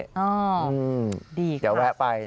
ดีครับเดี๋ยวแวะไป